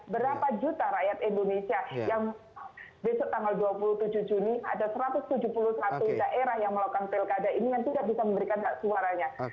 berapa juta rakyat indonesia yang besok tanggal dua puluh tujuh juni ada satu ratus tujuh puluh satu daerah yang melakukan pilkada ini yang tidak bisa memberikan hak suaranya